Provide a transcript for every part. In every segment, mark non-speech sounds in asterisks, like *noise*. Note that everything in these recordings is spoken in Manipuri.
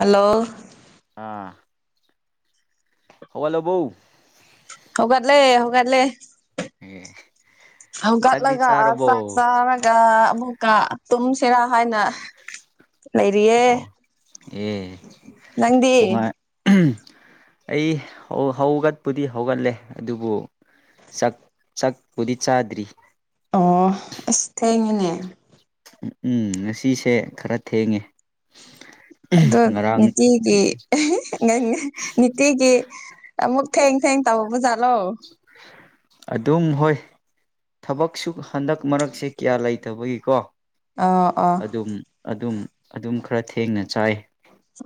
ꯍꯜꯂꯣ ꯍꯧꯒꯠꯂꯕꯣ ꯍꯧꯒꯠꯂꯦ ꯍꯧꯒꯠꯂꯦ ꯑꯦ ꯆꯥꯛꯗꯤ ꯍꯧꯒꯠꯂꯒ ꯆꯥꯔꯕꯣ ꯆꯥꯛ ꯆꯥꯒ ꯀ ꯑꯃꯨꯛꯀ ꯇꯨꯝꯁꯤꯔꯥ ꯍꯥꯏꯅ ꯂꯩꯔꯤꯌꯦ ꯑꯣ ꯑꯦ ꯅꯪꯗꯤ ꯅꯨꯡꯉꯥꯏ ꯑꯩ ꯍꯧꯒꯠꯄꯨꯗꯤ ꯍꯧꯒꯠꯂꯦ ꯑꯗꯨꯕꯨ ꯁꯛ ꯆꯛꯄꯨꯗꯤ ꯆꯥꯗ꯭ꯔꯤ ꯑꯣ ꯑꯁ ꯊꯦꯡꯉꯦꯅꯦ ꯎꯝ ꯉꯁꯤꯁꯦ ꯈꯔ ꯊꯦꯡꯉꯦ ꯑꯗꯣ ꯉꯔꯥꯡ ꯅꯤꯇꯤꯒꯤ ꯅꯤꯇꯤꯒꯤ ꯑꯃꯨꯛ ꯊꯦꯡ ꯊꯦꯡ ꯇꯧꯕ ꯖꯥꯠꯂꯣ ꯑꯗꯨꯝ ꯍꯣꯏ ꯊꯕꯛꯁꯨꯨ ꯍꯟꯗꯛ ꯃꯔꯛꯁꯦ ꯀꯌꯥ ꯂꯩꯇꯕꯒꯤꯀꯣ ꯑꯥ ꯑꯥ ꯑꯗꯨꯝ ꯑꯗꯨꯝ ꯑꯗꯨꯝ ꯈꯔ ꯊꯦꯡꯅ ꯆꯥꯏ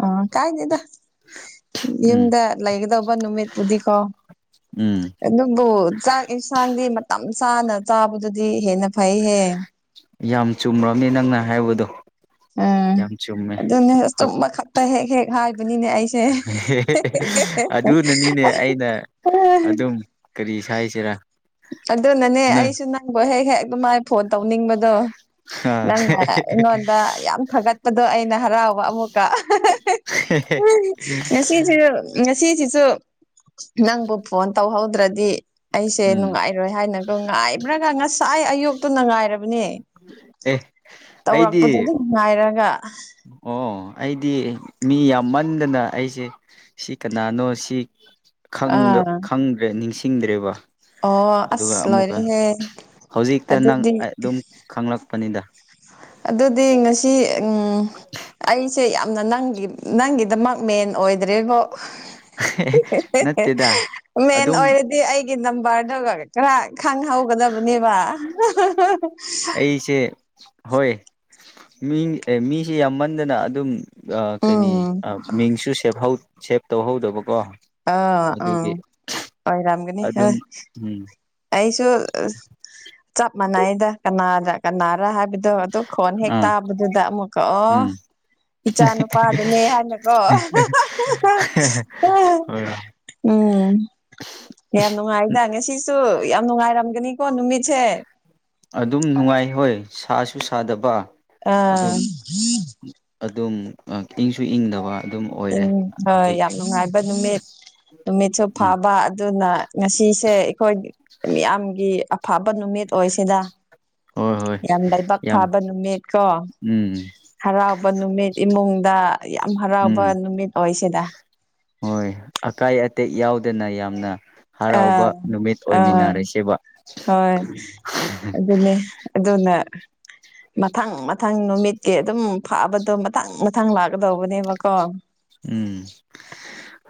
ꯑ ꯀꯥꯏꯗꯦꯗ ꯎꯝ ꯌꯨꯝꯗ ꯂꯩꯒꯗꯧꯕ ꯅꯨꯃꯤꯠꯄꯨꯗꯤꯀꯣ ꯎꯝ ꯑꯗꯨꯕꯨ ꯆꯥꯛ ꯌꯦꯟꯁꯥꯡꯗꯤ ꯃꯇꯝ ꯆꯥꯅ ꯆꯥꯕꯗꯗꯤ ꯍꯦꯟꯅ ꯐꯩꯍꯦ ꯌꯥꯝ ꯆꯨꯝꯔꯕꯅꯤ ꯅꯪꯅ ꯍꯥꯏꯕꯗꯣ ꯎꯝ ꯌꯥꯝ ꯆꯨꯝꯃꯦ ꯑꯗꯨꯅꯦ ꯆꯨꯝꯕ ꯈꯛꯇ ꯍꯦꯛ ꯍꯦꯛ ꯍꯥꯏꯕꯅꯤꯅꯦ ꯑꯩ ꯑꯗꯨꯅꯅꯤꯅꯦ ꯑꯩꯅ ꯑꯗꯨꯝ ꯀꯔꯤ ꯍꯥꯢꯁꯤꯔꯥ ꯑꯗꯨꯅꯅꯦ ꯑꯩꯁꯨꯨ ꯅꯪ ꯅꯪꯕꯨ ꯍꯦꯛ ꯍꯦꯛ ꯑꯗꯨ ꯃꯥꯏ ꯐꯣꯟ ꯇꯧꯅꯤꯡꯕꯗꯣ ꯑ ꯅꯪꯅ ꯑꯩꯉꯣꯟꯗ ꯐꯊꯒꯠꯄꯗꯣ ꯑꯩꯅ ꯍꯔꯥꯎꯕ ꯑꯃꯨꯛꯀ ꯉꯁꯤꯁꯤ ꯉꯁꯤꯁꯤꯁꯨ ꯅꯪꯕꯨ ꯐꯣꯟ ꯇꯧꯍꯧꯗ꯭ꯔꯗꯤ ꯑꯩꯁꯦ ꯎꯝ ꯅꯨꯡꯉꯥꯏꯔꯣꯏ ꯍꯥꯏꯅꯒ ꯉꯥꯏꯕ꯭ꯔꯒ ꯉꯁꯥꯏ ꯑꯌꯣꯛꯇꯨꯅ ꯉꯥꯏꯔꯕꯅꯦ ꯑꯦ ꯑꯩꯗꯤ ꯇꯧꯔꯛꯄꯗꯣ ꯑꯗꯨꯝ ꯉꯥꯏꯔꯒ ꯑꯣ ꯑꯩꯗꯤ ꯃꯤ ꯌꯥꯝꯃꯟꯗꯅ ꯑꯩꯁꯦ ꯁꯤ ꯀꯅꯥꯅꯣ ꯁꯤ ꯑꯥ ꯈꯪꯗ꯭ꯔꯦ ꯅꯤꯡꯁꯤꯡꯗ꯭ꯔꯦꯕ ꯑꯣ ꯑꯗꯨꯒ ꯑꯁ ꯑꯃꯨꯛꯀ ꯂꯣꯏꯔꯦꯍꯦ ꯍꯧꯖꯤꯛꯇ ꯅꯪ ꯑꯗꯨꯗꯤ ꯑꯗꯨꯝ ꯈꯪꯂꯛꯄꯅꯤꯗ ꯑꯗꯨꯗꯤ ꯉꯁꯤ ꯎꯝ ꯑꯩꯁꯦ ꯌꯥꯝꯅ ꯅꯪꯒꯤ ꯅꯪꯒꯤꯗꯃꯛ ꯃꯦꯟ ꯑꯣꯏꯗ꯭ꯔꯤꯕ ꯅꯠꯇꯦꯗ ꯃꯦꯟ ꯑꯗꯨꯝ ꯑꯣꯏꯔꯗꯤ ꯑꯩ ꯒꯤ ꯅꯝꯕꯔꯗꯨꯒ ꯈꯔ ꯈꯪꯍꯧꯒꯗꯕꯅꯦꯕ ꯑꯩꯁꯦ ꯍꯣꯏ ꯃꯤ ꯃꯤꯁꯦ ꯌꯥꯝꯃꯟꯗꯅ ꯑꯗꯨꯝ ꯀꯩꯅꯤ ꯎꯝ ꯃꯤꯡꯁꯨ ꯁꯦꯞ ꯇꯧꯍꯧꯗꯕꯀꯣ ꯑ ꯎꯝ ꯑꯗꯨꯒꯤ ꯍꯣꯏꯔꯝꯒꯅꯤ ꯍ ꯑꯗꯨꯝ ꯎꯝ ꯑꯩꯁꯨ ꯆꯞ ꯃꯥꯟꯅꯏꯗ ꯀꯅꯥꯗ ꯀꯅꯥꯔꯥ ꯍꯥꯏꯕꯗꯣ ꯑꯗꯨ ꯈꯣꯟ ꯍꯦꯛ ꯑꯥ ꯇꯥꯕꯗꯨꯗ ꯑꯃꯨꯛꯀ ꯑꯣ ꯎꯝ ꯏꯆꯥ ꯅꯨꯄꯥꯗꯨꯅꯦ ꯍꯥꯏꯅꯀꯣ ꯍꯣꯏ ꯎꯝ ꯌꯥꯝ ꯅꯨꯡꯉꯥꯏꯗ ꯉꯁꯤ ꯁꯨ ꯌꯥꯝ ꯅꯨꯡꯉꯥꯏꯔꯝꯒꯅꯤꯀꯣ ꯅꯨꯃꯤꯠꯁꯦ ꯑꯗꯨꯝ ꯅꯨꯡꯉꯥꯏ ꯍꯣꯏ ꯁꯥꯁꯨ ꯁꯥꯗꯕ ꯑꯥ ꯑꯗꯨꯝ ꯑꯗꯨꯝ ꯏꯪꯁꯨ ꯏꯪꯗꯕ ꯑꯗꯨꯝ ꯑꯣꯏꯔꯦ ꯎꯝ ꯍꯣꯏ ꯍꯥꯏꯗꯤ ꯌꯥꯝ ꯅꯨꯡꯉꯥꯏꯕ ꯅꯨꯃꯤꯠ ꯅꯨꯃꯤꯠꯁꯨ ꯎꯝ ꯐꯕ ꯑꯗꯨꯅ ꯉꯁꯤꯁꯦ ꯑꯩꯈꯣꯏ ꯃꯤꯌꯥꯝꯒꯤ ꯑꯐꯕ ꯅꯨꯃꯤꯠ ꯑꯣꯏꯁꯤꯗ ꯍꯣꯏ ꯍꯣꯏ ꯌꯥꯝ ꯂꯩꯕꯥꯛ ꯌꯥꯝ ꯐꯥꯕ ꯅꯨꯃꯤꯠ ꯀꯣ ꯎꯝ ꯍꯔꯥꯎꯕ ꯅꯨꯃꯤꯠ ꯏꯃꯨꯡꯗ ꯌꯥꯝ ꯍꯔꯥꯎꯕ ꯎꯝ ꯅꯨꯃꯤꯠ ꯑꯣꯏꯁꯤꯗ ꯍꯣꯏ ꯑꯀꯥꯏ ꯑꯇꯦꯛ ꯌꯥꯎꯗꯅ ꯌꯥꯝꯅ ꯑ ꯍꯔꯥꯎꯕ ꯅꯨꯃꯤꯠ ꯑꯥ ꯑꯣꯏꯃꯤꯟꯅꯔꯁꯦꯕ ꯍꯣꯏ ꯑꯗꯨ ꯑꯗꯨꯗꯣꯟꯅ ꯃꯊꯪ ꯃꯊꯪ ꯅꯨꯃꯤꯠꯀꯤ ꯑꯗꯨꯝ ꯐꯥꯕꯗꯣ ꯃꯊꯪ ꯃꯊꯪ ꯂꯥꯛꯀꯗꯧꯕꯅꯦꯕꯀꯣ ꯎꯝ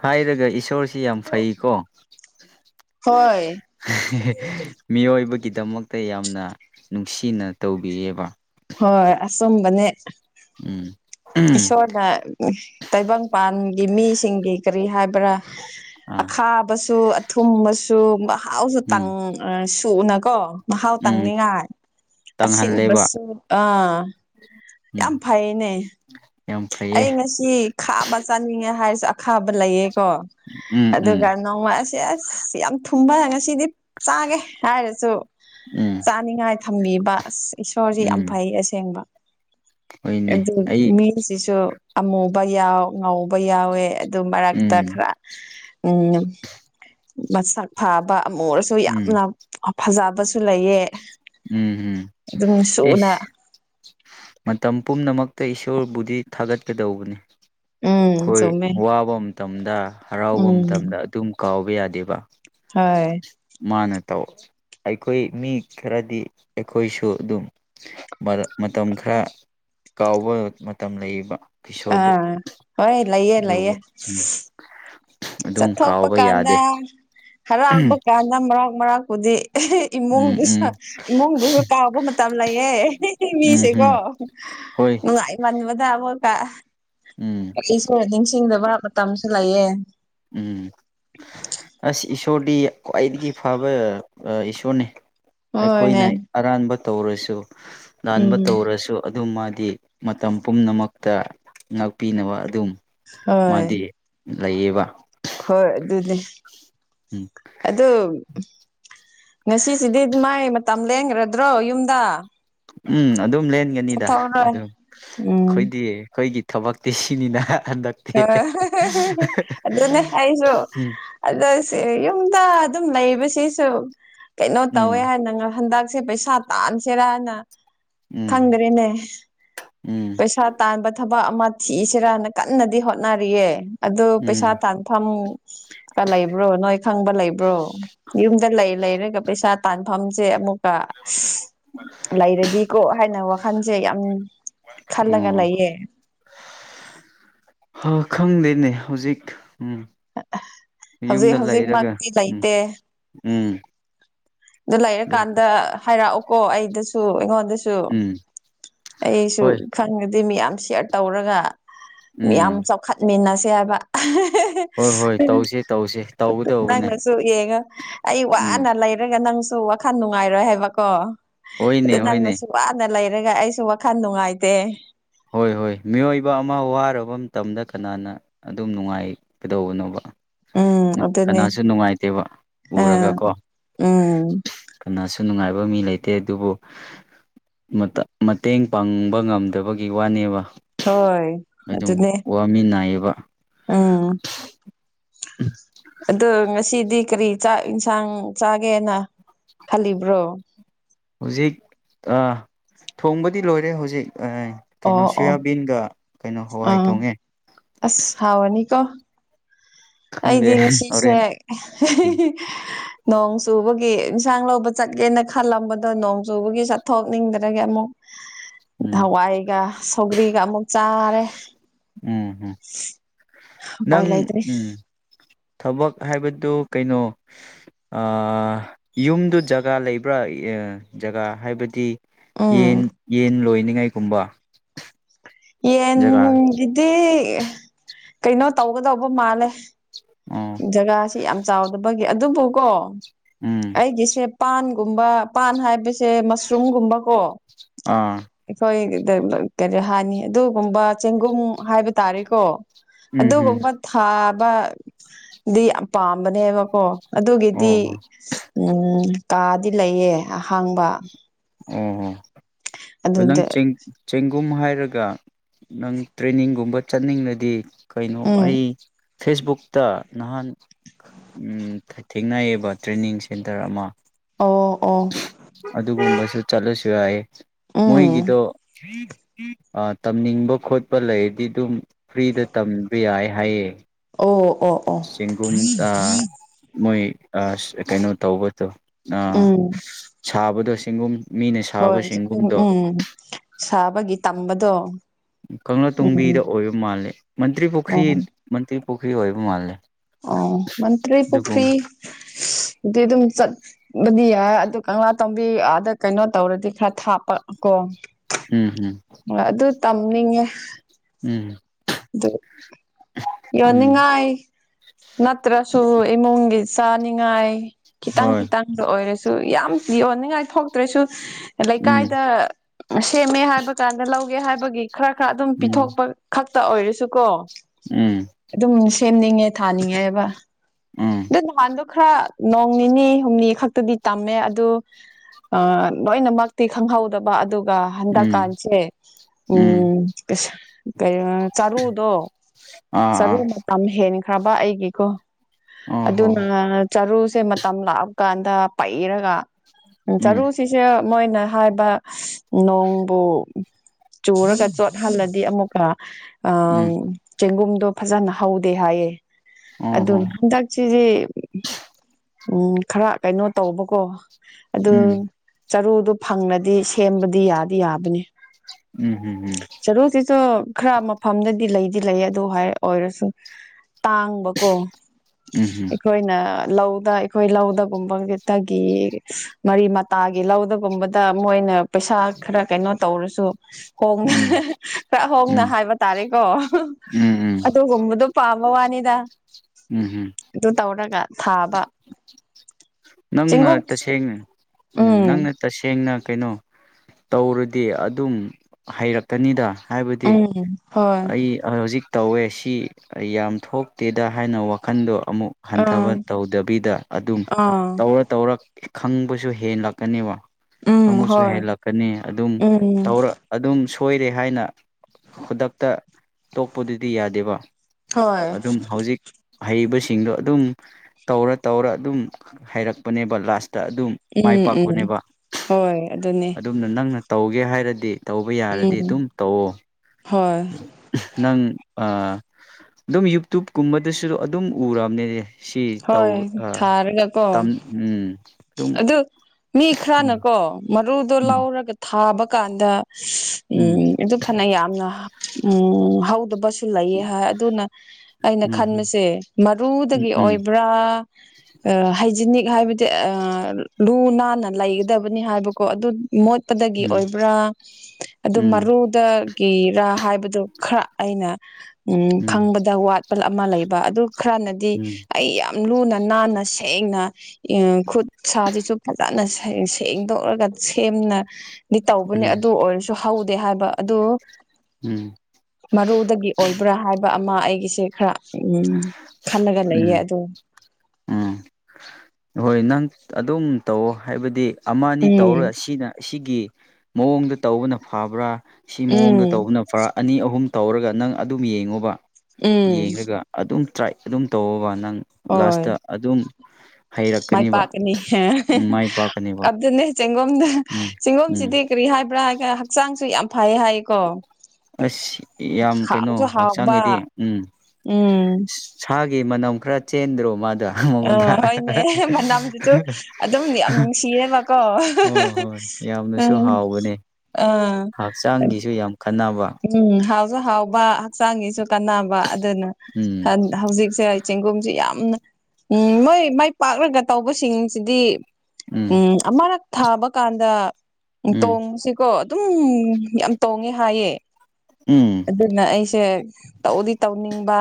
ꯍꯥꯏꯔꯒ ꯏꯁꯣꯔꯁꯤ ꯌꯥꯝ ꯐꯩꯀꯣ ꯍꯣꯏ *unintelligible* ꯃꯤꯑꯣꯏꯕꯒꯤꯗꯃꯛꯇ ꯌꯥꯝꯅ ꯅꯨꯡꯁꯤꯅ ꯇꯧꯕꯤꯑꯕ ꯍꯣꯏ ꯑꯁꯣꯝꯒꯅꯦ ꯎꯝ ꯎꯝ ꯏꯁꯣꯔꯅ ꯇꯥꯏꯕꯪꯄꯥꯟꯒꯤ ꯃꯤꯁꯤꯡꯒꯤ ꯀꯔꯤ ꯍꯥꯏꯕ꯭ꯔꯥ ꯑꯥ ꯑꯈꯥꯕꯁꯨ ꯑꯊꯨꯝꯕꯁꯨ ꯃꯍꯥꯎꯁꯨ ꯇꯥꯡ ꯎꯝ ꯁꯨꯅꯀꯣ ꯃꯍꯥꯎ ꯎꯝ ꯇꯪꯅꯤꯡꯉꯥꯏ ꯇꯪꯍꯜꯂꯦꯕ ꯑꯁꯤꯨꯝꯕꯁꯨ ꯑꯥ ꯎꯝ ꯌꯥꯝ ꯐꯩꯅꯦ ꯌꯥꯝ ꯐꯩꯌꯦ ꯑꯩ ꯉꯁꯤ ꯈꯥꯕ ꯆꯥꯅꯤꯡꯉꯦ ꯍꯥꯏꯔꯁꯨ ꯑꯈꯥꯕ ꯂꯩꯌꯦꯀꯣ ꯎꯝ ꯑꯗꯨ ꯎꯝ ꯅꯣꯡꯃꯁꯦ ꯑꯁ ꯌꯥꯝ ꯊꯨꯝꯕ ꯉꯁꯤꯗꯤ ꯆꯥꯒꯦ ꯍꯥꯏꯔꯁꯨ ꯎꯝ ꯆꯥꯅꯤꯡꯉꯥꯏ ꯊꯝꯕꯤꯕ ꯑ ꯏꯁꯣꯔꯁꯤ ꯌꯥꯝ ꯎꯝ ꯐꯩ ꯑꯁꯦꯡꯕ ꯍꯣꯏꯅꯦ ꯑꯗꯨ ꯑꯩ ꯃꯤꯁꯤꯁꯨ ꯑꯃꯨꯕ ꯌꯥꯎ ꯉꯧꯕ ꯌꯥꯎꯋꯦ ꯑꯗꯨ ꯃꯔꯛꯇ ꯎꯝ ꯈꯔ ꯎꯝ ꯃꯁꯛ ꯐꯥꯕ ꯑꯃꯨ ꯑꯣꯏꯔꯁꯨ ꯁꯨ ꯎꯝ ꯌꯥꯝꯅ ꯐꯖꯕꯁꯨ ꯂꯩꯌꯦ ꯎꯝ ꯎꯝ ꯑꯗꯨꯝ ꯁꯨꯅ ꯑꯦꯁ ꯃꯇꯝ ꯄꯨꯝꯅꯃꯛꯇ ꯏꯁꯣꯔꯕꯨꯗꯤ ꯊꯥꯒꯠꯀꯗꯧꯕꯅꯤ ꯎꯝ ꯑꯩꯈꯣꯏ ꯆꯨꯝꯃꯦ ꯋꯥꯕ ꯃꯇꯝꯗ ꯍꯔꯥꯎꯕ ꯎꯝ ꯃꯇꯝꯗ ꯑꯗꯨꯝ ꯀꯥꯎꯕ ꯌꯥꯗꯦꯕ ꯍꯣꯏ ꯃꯥꯅ ꯇꯧ ꯑꯩꯈꯣꯏ ꯃꯤ ꯈꯔꯗꯤ ꯑꯩꯈꯣꯏꯁꯨ ꯑꯗꯨꯝ ꯃꯇꯝ ꯈꯔ ꯀꯥꯎꯕ ꯃꯇꯝ ꯂꯩꯕ ꯑꯥ ꯍꯣꯏ ꯂꯩꯩꯌꯦꯦ ꯂꯩꯌꯦꯦ ꯎꯝ ꯑꯗꯨꯝ ꯆꯠꯊꯣꯛꯄ ꯀꯥꯎꯕ ꯀꯥꯟꯗ ꯌꯥꯗꯦ ꯍꯔꯥꯎꯕ ꯀꯥꯟꯗ ꯃꯔꯥꯛ ꯃꯔꯥꯛꯄꯨꯗꯤ ꯎꯝ ꯎꯝ ꯏꯃꯨꯡꯕꯨꯁ ꯏꯃꯨꯡꯕꯨꯁꯨ ꯀꯥꯎꯕ ꯃꯇꯝ ꯂꯩꯌꯦ ꯎꯝ ꯃꯤꯁꯦꯀꯣ ꯎꯝ ꯍꯣꯏ ꯃꯟꯕꯗꯕ ꯑꯃꯨꯛꯀ ꯎꯝ ꯑꯩꯁꯨ ꯅꯤꯡꯁꯤꯡꯗꯕ ꯃꯇꯝꯁꯨ ꯂꯩꯌꯦ ꯎꯝ ꯑꯁ ꯏꯁꯣꯔꯗꯤ ꯈ꯭ꯋꯥꯏꯗꯒꯤ ꯐꯕ ꯏꯁꯣꯔꯅꯦ ꯍꯣꯏꯅꯦ ꯑꯩꯈꯣꯏꯅ ꯑꯔꯥꯟꯕ ꯇꯧꯔꯁꯨ ꯂꯥꯟꯕ ꯎꯝ ꯇꯧꯔꯁꯨ ꯑꯗꯨꯝ ꯃꯥꯗꯤ ꯃꯇꯝ ꯄꯨꯝꯅꯃꯛꯇ ꯉꯥꯛꯄꯤꯅꯕ ꯑꯗꯨꯝ ꯍꯣꯏ ꯃꯥꯗꯤ ꯂꯩꯌꯦꯕ ꯍꯣꯏ ꯑꯗꯨꯅꯦ ꯎꯝ ꯑꯗꯨ ꯉꯁꯤꯁꯤꯗꯤ ꯗꯨꯃꯥꯏ ꯃꯇꯝ ꯂꯦꯡꯒꯔꯗ꯭ꯔꯣ ꯌꯨꯝꯗ ꯎꯝ ꯑꯗꯨꯝ ꯂꯦꯟꯒꯅꯤꯗ ꯆꯠꯊꯣꯛꯑꯔꯣꯏ ꯑꯗꯨꯝ ꯎꯝ ꯑꯩꯈꯣꯏꯗꯤ ꯑꯩꯈꯣꯏꯒꯤ ꯊꯕꯛꯇꯤ ꯁꯤꯅꯤꯅ ꯍꯟꯗꯛ ꯑ ꯑꯗꯨꯅꯦ ꯑꯩꯁꯨ ꯎꯝ ꯑꯗ ꯌꯨꯝꯗ ꯑꯗꯨꯝ ꯂꯩꯕꯁꯤꯁꯨ ꯀꯩꯅꯣ ꯎꯝ ꯇꯧꯋꯦ ꯍꯥꯏꯅ ꯍꯟꯗꯛꯁꯦ ꯄꯩꯁꯥ ꯇꯥꯟꯁꯦꯔꯅ ꯎꯝ ꯈꯪꯗ꯭ꯔꯦꯅꯦ ꯎꯝ ꯄꯩꯁꯥ ꯇꯥꯟꯕ ꯊꯕꯛ ꯑꯃ ꯊꯤꯁꯦꯔꯅ ꯀꯟꯅꯗꯤ ꯍꯣꯠꯅꯔꯤꯌꯦ ꯑꯗꯨ ꯄꯩꯁꯥ ꯎꯝ ꯇꯥꯟ ꯐꯝ ꯀ ꯂꯩꯕ꯭ꯔꯣ ꯅꯣꯏ ꯈꯪꯕ ꯂꯩꯕ꯭ꯔꯣ ꯌꯨꯝꯗ ꯂꯩꯔ ꯂꯩꯔꯒ ꯄꯩꯁꯥ ꯇꯥꯟꯐꯝꯁꯦ ꯑꯃꯨꯛꯀ ꯂꯩꯔꯗꯤ ꯀꯣ ꯍꯥꯏꯅ ꯋꯥꯈꯜꯁꯦ ꯌꯥꯝ ꯈꯜꯂꯒ ꯑꯣ ꯂꯩꯌꯦ ꯑ ꯈꯪꯗꯦꯅꯦ ꯍꯧꯖꯤꯛ ꯎꯝ ꯍꯧꯖꯤꯛ ꯌꯨꯝꯗ ꯂꯩꯔꯒ ꯍꯧꯖꯤꯛꯃꯛꯇꯤ ꯎꯝ ꯂꯩꯇꯦ ꯎꯝ ꯑꯗꯨ ꯂꯩꯔꯀꯥꯟꯗ ꯍꯥꯏꯔꯛꯑꯣꯀꯣ ꯑꯩꯗꯁꯨ ꯑꯩꯉꯣꯟꯗꯁꯨ ꯁꯨ ꯎꯝ ꯑꯩꯁꯨ ꯍꯣꯏ ꯈꯪꯉꯗꯤ ꯃꯤꯌꯥꯝ ꯁꯤꯌꯥꯔ ꯇꯧꯔꯒ ꯃꯤꯌꯥꯝ ꯎꯝ ꯆꯥꯎꯈꯠꯃꯤꯟꯅꯁꯦ ꯍꯥꯏꯕ ꯍꯣꯏ ꯍꯣꯏ ꯇꯧꯁꯦ ꯇꯧꯁꯦ ꯇꯧꯒꯗꯧꯕꯅꯦ ꯅꯪꯅꯁꯨ ꯌꯦꯡꯉ ꯑꯩ ꯎꯝ ꯋꯥꯅ ꯂꯩ ꯔꯒ ꯅꯪꯁꯨ ꯋꯥꯈꯜ ꯅꯨꯡꯉꯥꯏꯔꯣꯏ ꯍꯥꯏꯕꯀꯣ ꯍꯣꯏꯅꯦ ꯍꯣꯏꯅꯦ ꯅꯪꯅꯁꯨ ꯋꯥꯅ ꯂꯩꯔꯒ ꯑꯩꯁꯨ ꯋꯥꯈꯜ ꯅꯨꯡꯉꯥꯏꯇꯦ ꯍꯣꯏ ꯍꯣꯏ ꯃꯤꯑꯣꯏꯕ ꯑꯃ ꯋꯥꯔꯕ ꯃꯇꯝꯗ ꯀꯅꯥꯅ ꯑꯗꯨꯝ ꯅꯨꯡꯉꯥꯏꯒꯗꯧꯕꯅꯣꯕ ꯎꯝ ꯑꯗꯨꯅꯦ ꯀꯅꯥꯁꯨ ꯅꯨꯡꯉꯥꯏꯇꯦꯕ ꯑꯥ ꯎꯔꯒꯀꯣ ꯎꯝ ꯀꯅꯥꯁꯨ ꯅꯨꯡꯉꯥꯏꯕ ꯃꯤ ꯂꯩꯇꯦ ꯑꯗꯨꯕꯨ ꯃꯇꯦꯡ ꯄꯥꯡꯕ ꯉꯝꯗꯕ ꯒꯤ ꯋꯥꯅꯦꯕ ꯍꯣꯏ ꯑꯗꯨꯝ ꯑꯗꯨꯅꯦ ꯋꯥꯃꯤꯅꯥꯏꯌꯦꯕ ꯎꯝ ꯑꯗꯣ ꯉꯁꯤꯗꯤ ꯀꯔꯤ ꯆꯥꯛ ꯌꯦꯟꯁꯥꯡ ꯆꯥꯒꯦꯅ ꯈꯜꯂꯤꯕ꯭ꯔꯣ ꯍꯧꯖꯤꯛ ꯑ ꯊꯣꯡꯕꯗꯤ ꯂꯣꯏꯔꯦ ꯍꯧꯖꯤꯛ ꯀꯩꯅꯣ ꯑꯣ ꯑꯣ ꯁꯣꯌꯥꯕꯤꯟꯒ ꯀꯩꯅꯣ ꯍꯋꯥꯏ ꯑꯥ ꯊꯣꯡꯉꯦ ꯑꯁ ꯍꯥꯎꯔꯅꯤ ꯀꯣ ꯈꯪꯗꯦ ꯑꯩꯗꯤ ꯉꯁꯤꯁꯦ ꯍꯣꯔꯦꯟ ꯅꯣꯡ ꯆꯨꯕꯒꯤ ꯏꯟꯁꯥꯡ ꯂꯧꯕ ꯆꯠꯒꯦꯅ ꯈꯜꯂꯝꯕꯗꯣ ꯅꯣꯡ ꯆꯨꯕꯒꯤ ꯆꯠꯊꯣꯛꯅꯤꯡꯗ꯭ꯔꯒꯦ ꯑꯃꯨꯛ ꯎꯝ ꯍꯋꯥꯏꯒ ꯁꯧꯒ꯭ꯔꯤꯒ ꯑꯃꯨꯛ ꯆꯥꯔꯦ ꯎꯝ ꯎꯝ ꯎꯄꯥꯏ ꯅꯪ ꯂꯩꯇ꯭ꯔꯦ ꯎꯝ ꯊꯕꯛ ꯍꯥꯏꯕꯗꯨ ꯀꯩꯅꯣ ꯌꯨꯝꯗꯨ ꯖꯒꯥ ꯂꯩꯕ꯭ꯔꯥ ꯖꯒꯥ ꯍꯥꯏꯕꯗꯤ ꯎꯝ ꯌꯦꯟ ꯌꯦꯟ ꯂꯣꯏꯅꯤꯉꯥꯏꯒꯨꯝꯕ ꯌꯦꯟꯒꯤꯗꯤ ꯀꯩꯅꯣ ꯇꯧꯒꯗꯧꯕ ꯃꯥꯜꯂꯦ ꯑꯣ ꯖꯒꯥꯁꯤ ꯌꯥꯝ ꯆꯥꯎꯗꯕꯒꯤ ꯑꯗꯨꯕꯨ ꯀꯣ ꯎꯝ ꯑꯩꯒꯤꯁꯦ ꯄꯥꯟ ꯒꯨꯨꯝꯕ ꯄꯥꯟ ꯍꯥꯏꯕꯁꯦ ꯃꯁꯔꯨꯝꯒꯨꯝꯕ ꯀꯣ ꯑꯥ ꯑꯩꯈꯣꯏ ꯀꯔꯤ ꯍꯥꯏꯅꯤ ꯑꯗꯨꯒꯨꯝꯕ ꯆꯦꯡꯒꯨꯝ ꯍꯥꯏꯕ ꯇꯥꯔꯦꯀꯣ ꯎꯝ ꯎꯝ ꯑꯗꯨꯒꯨꯝꯕ ꯊꯥꯕꯗꯤ ꯌꯥꯝ ꯄꯥꯝꯕꯅꯦꯕꯀꯣ ꯑꯗꯨꯒꯤꯗꯤ ꯑꯣ ꯎꯝ ꯀꯥꯗꯤ ꯂꯩꯌꯦ ꯑꯍꯥꯡꯕ ꯑꯣꯣ ꯅꯪ ꯑꯗꯨꯗ ꯆꯦꯡ ꯆꯦꯡꯒꯨꯝ ꯍꯥꯏꯔꯒ ꯅꯪ ꯇ꯭ꯔꯦꯅꯤꯡꯒꯨꯝꯕ ꯆꯠꯅꯤꯡꯂꯗꯤ ꯀꯩꯅꯣ ꯎꯝ ꯑꯩ ꯐꯦꯁꯕꯨꯛꯇ ꯅꯍꯥꯟ ꯊꯦꯡꯅꯏꯌꯦꯕ ꯇ꯭ꯔꯦꯅꯤꯡ ꯁꯦꯟꯇꯔ ꯑꯃ ꯑꯣ ꯑꯣ ꯑꯗꯨꯒꯨꯝꯕꯁꯨ ꯆꯠꯂꯁꯨ ꯌꯥꯏ ꯎꯝ ꯃꯣꯏꯒꯤꯗꯣ ꯇꯝꯅꯤꯡꯕ ꯈꯣꯠꯄ ꯂꯩꯔꯗꯤ ꯑꯗꯨꯝ ꯐ꯭ꯔꯤꯗ ꯇꯝꯕ ꯌꯥꯏ ꯍꯥꯏꯌꯦ ꯑꯣ ꯑꯣ ꯑꯣ ꯑꯣ ꯆꯦꯡꯒꯨꯝ ꯃꯣꯏ ꯀꯩꯅꯣ ꯇꯧꯕꯗꯣ ꯎꯝ ꯁꯥꯕꯗꯣ ꯁꯦꯡꯒꯨꯝ ꯍꯣꯏ ꯑꯗꯨꯝ ꯎꯝ ꯁꯥꯕꯒꯤ ꯇꯝꯕꯗꯣ ꯀꯪꯂ ꯇꯣꯡꯕꯤꯗ ꯎꯝ ꯑꯣꯏꯕ ꯃꯥꯜꯜꯂꯤꯦ ꯃꯟꯇ꯭ꯔꯤ ꯄꯨꯈ꯭ꯔꯤ ꯑꯣ ꯃꯟꯇ꯭ꯔꯤ ꯄꯨꯈ꯭ꯔꯤ ꯑꯣꯏꯕ ꯃꯥꯜꯂꯦ ꯑꯣ ꯃꯟꯇ꯭ꯔꯤ ꯑꯗꯨꯒꯨꯝ ꯄꯨꯈ꯭ꯔꯤꯗꯤ ꯑꯗꯨꯝ ꯆꯠ ꯕꯨꯗꯤ ꯌꯥꯏ ꯑꯗꯨ ꯀꯪꯂꯥ ꯇꯣꯝꯕꯤ ꯑꯗ ꯀꯩꯅꯣ ꯇꯧꯔꯗꯤ ꯈꯔ ꯊꯥꯞꯄ ꯀꯣ ꯎꯝ ꯍꯝ ꯑꯗꯨ ꯇꯝꯅꯤꯡꯉꯦ ꯎꯝ ꯑꯗꯨ ꯎꯝ ꯀꯅꯤꯡꯉꯥꯏ ꯅꯠꯇ꯭ꯔꯁꯨ ꯏꯃꯨꯡꯒꯤ ꯆꯥꯅꯤꯡꯉꯥꯏ ꯈꯤꯇꯪ ꯍꯣꯏ ꯈꯤꯇꯪꯗ ꯑꯣꯏꯔꯁꯨ ꯌꯥꯝꯌꯣꯟꯅꯤꯡꯉꯥꯏ ꯊꯣꯛꯇ꯭ꯔꯁꯨ ꯎꯝ ꯂꯩꯀꯥꯏꯗ ꯁꯦꯝꯃꯦ ꯍꯥꯏꯕ ꯀꯥꯟꯗ ꯂꯧꯒꯦ ꯍꯥꯏꯕꯒꯤ ꯈꯔ ꯈꯔ ꯑꯗꯨꯝ ꯎꯝ ꯄꯤꯊꯣꯛꯄ ꯈꯛꯇ ꯑꯣꯏꯔꯁꯨ ꯀꯣ ꯎꯝ ꯑꯗꯨꯝ ꯁꯦꯝꯅꯤꯡꯉꯦ ꯊꯥꯅꯤꯡꯉꯦꯕ ꯎꯝ ꯑꯗꯨ ꯅꯍꯥꯟ ꯈꯔ ꯅꯣꯡ ꯅꯤꯅꯤ ꯍꯨꯝꯅꯤ ꯈꯛꯇꯗꯤ ꯇꯝꯃꯦ ꯑꯗꯨ ꯂꯣꯏꯅꯃꯛꯇꯤ ꯈꯪꯍꯧꯗꯕ ꯑꯗꯨꯒ ꯎꯝ ꯍꯟꯗꯛꯀꯥꯟꯁꯦ ꯎꯝ ꯀꯩꯅ ꯆꯥꯔꯨꯗꯣ ꯑ ꯑꯥ ꯌꯥꯝ ꯍꯦꯟꯈ꯭ꯔꯕ ꯑꯩꯒꯤꯀꯣ ꯑꯣ ꯍꯣ ꯑꯗꯨꯅ ꯆꯔꯨꯁꯦ ꯃꯇꯝ ꯂꯥꯛꯑꯀꯥꯟꯗ ꯄꯩꯔꯒ ꯎꯝ ꯆꯔꯨꯁꯤ ꯁꯦ ꯃꯣꯏꯅ ꯍꯥꯏꯕ ꯅꯣꯡꯕꯨ ꯆꯨꯔꯒ ꯆꯣꯠꯍꯜꯂꯗꯤ ꯑꯃꯨꯛꯀ ꯎ ꯎꯝ ꯆꯦꯡꯒꯨꯝꯗꯣ ꯐꯖꯅ ꯍꯧꯗꯦ ꯍꯥꯏꯌꯦꯦ ꯑꯣ ꯍꯣ ꯑꯗꯨꯅ ꯍꯟꯗꯛꯁꯤꯗꯤ ꯈꯔ ꯀꯩꯅꯣ ꯇꯧꯕꯀꯣ ꯑꯗꯨ ꯎꯝ ꯆꯔꯨꯗꯨ ꯐꯪꯂꯪꯂꯗꯤ ꯁꯦꯝꯕꯗꯤ ꯌꯥꯗꯤ ꯌꯥꯕꯅꯤ ꯎꯝ ꯎꯝ ꯎꯝ ꯆꯔꯨꯁꯤꯁꯨ ꯈꯔ ꯃꯐꯝꯗꯗꯤ ꯂꯩꯗꯤ ꯂꯩ ꯑꯗꯨ ꯍꯥꯏꯔ ꯑꯣꯏꯔꯁꯨ ꯇꯥꯡꯕꯀꯣ ꯎꯝ ꯎꯝ ꯑꯩꯈꯣꯏꯅ ꯂꯧꯗ ꯑꯩꯈꯣꯏ ꯂꯧꯗꯒꯨꯝꯕ ꯈꯤꯇꯒꯤ ꯃꯔꯤ ꯇꯥꯒꯤ ꯂꯧꯗꯒꯨꯝꯕꯗ ꯃꯣꯏꯅ ꯄꯩꯁꯥ ꯈꯔ ꯀꯩꯅꯣ ꯇꯧꯔꯁꯨ ꯍꯣꯡꯅ ꯈꯔ ꯎꯝ ꯍꯣꯡꯅ ꯍꯥꯏꯕ ꯇꯥꯔꯦꯀꯣ ꯎꯝ ꯎꯝ ꯎꯝ ꯑꯗꯨꯒꯨꯝꯕꯗ ꯄꯥꯕꯕꯥꯅꯤꯗ ꯎꯝ ꯍꯝ ꯑꯗꯨ ꯇꯧꯔꯒ ꯊꯥꯕ ꯅꯪꯅ ꯆꯦꯡꯒꯨꯝ ꯇꯁꯦꯡꯅ ꯎꯝ ꯅꯪꯅ ꯇꯁꯦꯡꯅ ꯀꯩꯅꯣ ꯇꯧꯔꯗꯤ ꯑꯗꯨꯝ ꯍꯩꯔꯛꯀꯅꯤꯗ ꯍꯥꯏꯕꯗꯤ ꯎꯝ ꯍꯣꯏ ꯑꯩ ꯍꯧꯖꯤꯛ ꯇꯧꯋꯦ ꯁꯤ ꯌꯥꯝ ꯊꯣꯛꯇꯦꯗ ꯍꯥꯏꯅ ꯋꯥꯈꯟꯗꯣ ꯑꯃꯨꯛ ꯑꯥ ꯍꯟꯊꯕ ꯇꯧꯗꯕꯤꯗ ꯑꯗꯨꯝ ꯑꯥ ꯇꯧꯔ ꯇꯧꯔ ꯈꯪꯕꯁꯨ ꯍꯦꯜꯂꯛꯀꯅꯤꯕ ꯎꯝ ꯈꯉꯨꯁꯨ ꯍꯣꯏ ꯍꯦꯜꯂꯛꯀꯅꯤ ꯑꯗꯨꯝ ꯎꯝ ꯇꯧꯔ ꯑꯗꯨꯝ ꯁꯣꯏꯔꯦ ꯍꯥꯏꯅ ꯈꯨꯗꯛꯇ ꯇꯣꯛꯄꯗꯨꯗꯤ ꯌꯥꯗꯦꯕ ꯍꯣꯏ ꯑꯗꯨꯝ ꯍꯧꯖꯤꯛ ꯍꯩꯕꯁꯤꯡꯗꯣ ꯑꯗꯨꯝ ꯇꯧꯔ ꯇꯧꯔ ꯑꯗꯨꯝ ꯍꯩꯔꯛꯄꯅꯦꯕ ꯂꯥꯁ ꯇ ꯑꯗꯨꯝ ꯃꯥꯏ ꯎꯝ ꯎꯝ ꯄꯥꯛꯄꯅꯦꯕ ꯍꯣꯏ ꯑꯗꯨꯅꯦ ꯑꯗꯨ ꯑꯅ ꯅꯪꯅ ꯇꯧꯒꯦ ꯍꯥꯏꯔꯗꯤ ꯇꯧꯕ ꯌꯥꯔꯗꯤ ꯎꯝ ꯑꯗꯨꯝ ꯇꯧꯑꯣ ꯍꯣꯏ ꯅꯪ ꯑꯥ ꯑꯗꯨꯝ ꯌꯨꯇꯨꯞꯀꯨꯝꯕꯗꯁꯨ ꯑꯗꯨꯝ ꯎꯔꯕꯅꯦ ꯁꯤ ꯍꯣꯏ ꯇꯧꯕ ꯊꯥꯔꯒꯀꯣ ꯎꯝ ꯑꯗꯨ ꯃꯤ ꯈꯔꯅꯀꯣ ꯃꯔꯨꯗꯣ ꯎꯝ ꯂꯧꯔꯒ ꯊꯥꯕ ꯀꯥꯟꯗ ꯎꯝ ꯑꯗꯨ ꯐꯅ ꯌꯥꯝꯅ ꯎꯝ ꯍꯧꯗꯕꯁꯨ ꯂꯩꯌꯦ ꯍꯥꯏ ꯑꯗꯨꯅ ꯑꯩꯅ ꯎꯝ ꯈꯟꯕꯁꯦ ꯃꯔꯨꯗꯒꯤ ꯎꯝ ꯑꯣꯏꯕ ꯄꯨ ꯍꯥꯏꯅꯤꯛ ꯍꯥꯏꯕꯗꯤ ꯂꯨ ꯅꯥꯟꯅ ꯂꯩꯒꯗꯕꯅꯤ ꯍꯥꯏꯕꯀꯣ ꯑꯗꯨ ꯃꯣꯠꯄꯗꯒꯤ ꯎꯝ ꯎꯝ ꯑꯣꯏꯕ꯭ꯔꯥ ꯎꯝ ꯑꯗꯨ ꯎꯝ ꯃꯔꯨꯗꯒꯤꯔꯥ ꯍꯥꯏꯕꯗꯨ ꯈꯔ ꯑꯩꯅ ꯎꯝ ꯐꯪꯕꯗ ꯋꯥꯠꯄ ꯑꯃ ꯂꯩꯕ ꯑꯗꯨ ꯈꯔꯅꯗꯤ ꯑꯩ ꯌꯥꯝ ꯂꯨꯅ ꯅꯥꯟꯅ ꯁꯦꯡꯅ ꯈꯨꯠ ꯁꯥꯁꯤꯁꯨ ꯐꯖꯅ ꯁꯦꯡꯗꯣꯛꯔꯒ ꯁꯦꯝꯅꯗꯤ ꯇꯧꯕꯅꯤ ꯎꯝ ꯑꯗꯨ ꯑꯣꯏꯔꯁꯨ ꯍꯧꯗꯦ ꯍꯥꯏꯕ ꯑꯗꯨ ꯎꯝ ꯃꯔꯨꯗꯒꯤ ꯑꯣꯏꯕ꯭ꯔꯥ ꯍꯥꯏꯕ ꯑꯃ ꯑꯩꯒꯤꯁꯦ ꯈꯔ ꯎꯝ ꯈꯜꯂꯒ ꯂꯩꯌꯦ ꯎꯝ ꯑꯗꯨ ꯎꯝ ꯍꯣꯏ ꯅꯪ ꯑꯗꯨꯝ ꯇꯧ ꯍꯥꯏꯕꯗꯤ ꯑꯃ ꯑꯅꯤ ꯎꯝ ꯇꯧꯔꯒ ꯁꯤꯅ ꯑꯁꯤꯒꯤ ꯃꯑꯣꯡꯗ ꯇꯧꯕꯅ ꯐꯕ꯭ꯔꯥ ꯁꯤ ꯎꯝ ꯃꯑꯣꯡꯗ ꯇꯧꯕꯅ ꯐꯔꯥ ꯑꯅꯤ ꯑꯍꯨꯝ ꯇꯧꯔꯒ ꯅꯪ ꯑꯗꯨꯝ ꯌꯦꯡꯉꯣꯕ ꯎꯝ ꯌꯦꯡꯒ ꯑꯗꯨꯝ ꯇ꯭ꯔꯥꯏ ꯑꯗꯨꯝ ꯇꯧꯕ ꯅꯪ ꯍꯣꯏ ꯂꯥꯁꯇ ꯑꯗꯨꯝ ꯃꯥꯏ ꯍꯩꯔꯛꯀꯅꯦꯕ ꯄꯥꯛꯀꯅꯤ ꯎꯝ ꯃꯥꯏ ꯄꯥꯛꯀꯅꯦꯕ ꯑꯅꯦ ꯆꯦꯡꯒꯣꯝꯗ ꯎꯝ ꯎꯝ ꯆꯦꯡꯒꯣꯝꯁꯤꯗꯤ ꯀꯔꯤ ꯍꯥꯏꯕ꯭ꯔꯥ ꯍꯥꯏꯒ ꯍꯛꯆꯥꯡꯁꯨ ꯌꯥꯝ ꯐꯩ ꯍꯥꯏꯌꯦꯀꯣ ꯑꯁ ꯌꯥꯝ ꯀꯩꯅꯣ ꯍꯛꯆꯥꯡꯒꯤꯗꯤ ꯍꯥꯎꯕ ꯎꯝ ꯑ ꯎꯝ ꯁꯥꯒꯤ ꯃꯅꯝ ꯈꯔ ꯆꯦꯟꯗ꯭ꯔꯣ ꯃꯥꯗ ꯑ ꯃꯗ ꯍꯣꯏꯅꯦ ꯃꯅꯝꯗꯨꯁꯨ ꯑꯗꯨꯝ ꯌꯥꯝ ꯅꯨꯡꯁꯤꯌꯦꯕꯀꯣ ꯑꯣ ꯍꯣꯏ ꯌꯥꯝꯅꯁꯨ ꯎꯝ ꯍꯥꯎꯕꯅꯦ ꯑꯥ ꯍꯛꯆꯥꯡꯒꯤꯁꯨ ꯌꯥꯝ ꯀꯟꯅꯅꯕ ꯎꯝ ꯍꯥꯎꯁꯨ ꯍꯥꯎꯕ ꯍꯛꯆꯥꯡꯒꯤꯁꯨ ꯀꯥꯟꯅꯕ ꯑꯗꯨꯅ ꯎꯝ ꯑ ꯍꯧꯖꯤꯛꯁꯦ ꯆꯦꯡꯒꯨꯝꯁꯦ ꯌꯥꯝꯅ ꯎꯝ ꯃꯣꯏ ꯃꯥꯏ ꯄꯥꯛꯂꯒ ꯇꯧꯕꯁꯤꯡꯁꯤꯗꯤ ꯎꯝ ꯑꯃꯔꯛ ꯊꯥꯕ ꯀꯥꯟꯗ ꯎꯝ ꯇꯣꯡꯁ ꯀꯣ ꯑꯗꯨꯝ ꯌꯥꯝ ꯇꯣꯡꯉꯦ ꯍꯥꯏꯌꯦ ꯎꯝ ꯑꯗꯨꯅ ꯑꯩꯁꯦ ꯇꯧꯗꯤ ꯇꯧꯅꯤꯡꯕ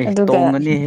ꯑꯦ ꯑꯗꯨꯒ ꯇꯣꯡꯒꯅꯤꯍꯦ